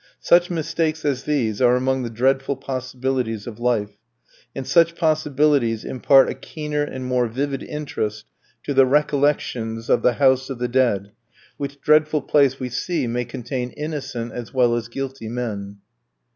Such mistakes as these are among the dreadful possibilities of life, and such possibilities impart a keener and more vivid interest to the "Recollections of the House of the Dead," which dreadful place we see may contain innocent as well as guilty men.